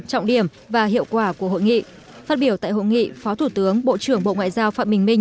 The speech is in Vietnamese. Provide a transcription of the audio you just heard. trọng điểm và hiệu quả của hội nghị phát biểu tại hội nghị phó thủ tướng bộ trưởng bộ ngoại giao phạm bình minh